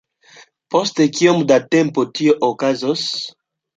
Post kiom da tempo tio okazos?